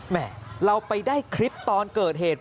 แม่เราไปได้คลิปตอนเกิดเหตุ